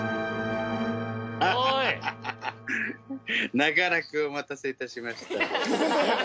長らくお待たせいたしました。